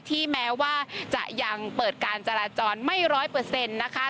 แม้ว่าจะยังเปิดการจราจรไม่ร้อยเปอร์เซ็นต์นะคะ